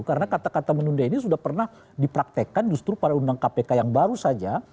karena kata kata menunda ini sudah pernah dipraktekan justru pada undang kpk yang baru saja